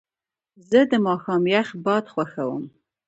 زه د ماښام یخ باد خوښوم.